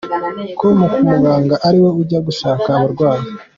com ko umuganga ariwe ujya gushaka abarwayi.